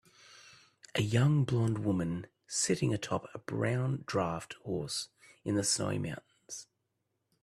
A young blond woman sitting atop a brown draft horse in the snowy mountains.